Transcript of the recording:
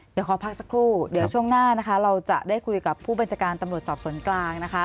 เดี๋ยวขอพักสักครู่เดี๋ยวช่วงหน้านะคะเราจะได้คุยกับผู้บัญชาการตำรวจสอบสวนกลางนะคะ